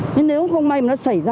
nhưng nếu không may mà nó xảy ra